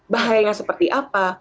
bahaya seperti apa